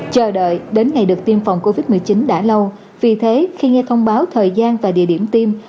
chờ đợi đến ngày được tiêm phòng covid một mươi chín đã lâu vì thế khi nghe thông báo thời gian và địa điểm tiêm